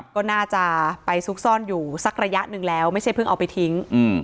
ก็น่าจะไปซุกซ่อนอยู่สักระยะหนึ่งแล้วไม่ใช่เพิ่งเอาไปทิ้ง